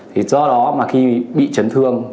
do đó mà khi bị chấn thương